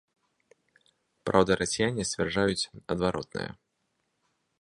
Праўда, расіяне сцвярджаюць адваротнае.